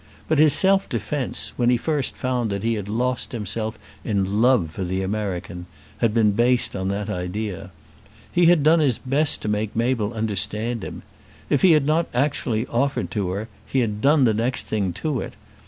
But his self defence, when first he found that he had lost himself in love for the American, had been based on that idea. He had done his best to make Mabel understand him. If he had not actually offered to her, he had done the next thing to it.